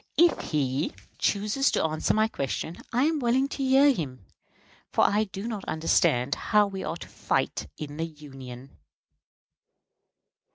If he chooses to answer my question, I am willing to hear him, for I do not understand how we are to fight in the Union.